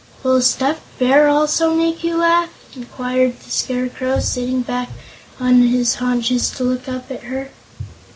"Will a stuffed Bear also make you laugh?" inquired the Scarecrow, sitting back on his haunches to look up at her.